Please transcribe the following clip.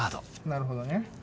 なるほどね。